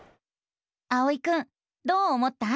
あおいくんどう思った？